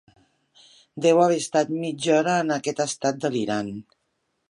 Deu haver estat mitja hora en aquest estat delirant.